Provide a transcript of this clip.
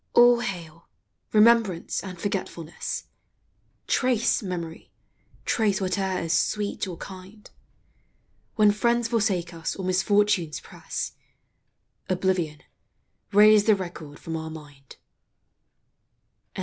All hail, Remembrance and Forgetfulness ! Trace, Memory, trace whate'er is sweet or kind: When friends forsake us or misfortunes press, Oblivion, 'rase the record from our mind.